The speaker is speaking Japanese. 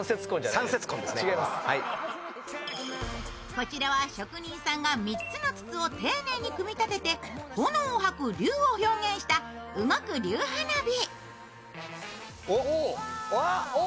こちらは職人さんが３つの筒を丁寧に組み立てて、炎を吐く龍を表現した動く龍花火。